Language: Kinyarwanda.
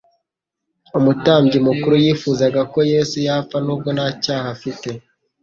Umutambyi mukuru yifuzaga ko Yesu yapfa nubwo nta cyaha afite.